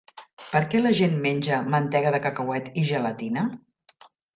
Per què la gent menja mantega de cacauet i gelatina?